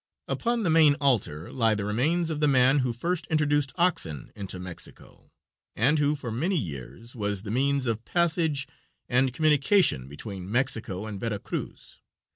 Upon the main altar lie the remains of the man who first introduced oxen into Mexico, and who for many years was the means of passage and communication between Mexico and Vera Cruz.